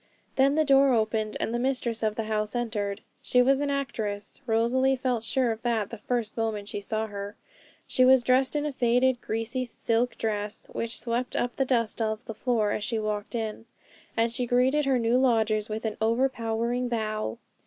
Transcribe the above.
Then the door opened, and the mistress of the house entered. She was an actress, Rosalie felt sure of that the first moment she saw her; she was dressed in a faded, greasy silk dress which swept up the dust of the floor as she walked in, and she greeted her new lodgers with an overpowering bow.